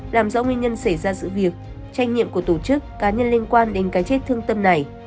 làm rõ nguyên nhân xảy ra sự việc trách nhiệm của tổ chức cá nhân liên quan đến cái chết thương tâm này